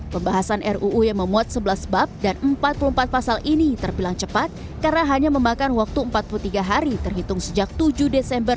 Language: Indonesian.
pembahasan ruu yang memuat sebelas bab dan empat puluh empat pasal ini terbilang cepat karena hanya memakan waktu empat puluh tiga hari terhitung sejak tujuh desember dua ribu dua puluh